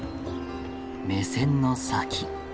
目線の先。